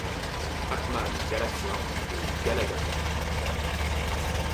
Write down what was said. Pac-Man, Galaxian et Galaga.